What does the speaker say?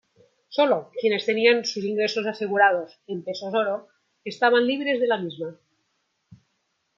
Sólo quienes tenían sus ingresos asegurados en pesos oro estaban libres de la misma.